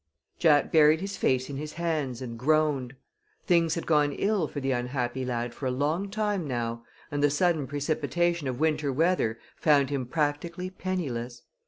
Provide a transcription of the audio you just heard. Jack buried his face in his hands and groaned. Things had gone ill for the unhappy lad for a long time now, and the sudden precipitation of winter weather found him practically penniless.